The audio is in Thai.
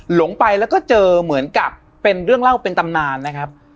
ลงไปแล้วก็เจอเหมือนกับเป็นเรื่องเล่าเป็นตำนานนะครับ